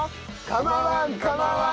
構わん構わん。